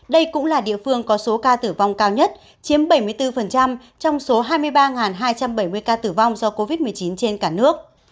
đây cũng là địa phương có số ca tử vong cao nhất chiếm bảy mươi bốn trong số hai mươi ba hai trăm bảy mươi ca tử vong do covid một mươi chín trên cả nước